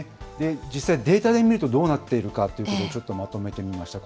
実際、データで見るとどうなっているかということで、ちょっとまとめてみました。